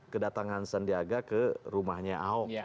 kedatangan sandiaga ke rumahnya ahok kantonya ahok